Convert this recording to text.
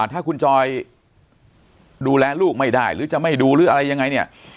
ถ้าคุณจอยดูแลลูกไม่ได้หรือจะไม่ดูหรืออะไรยังไงเนี่ย